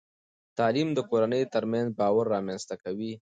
تعلیم د کورنۍ ترمنځ باور رامنځته کوي.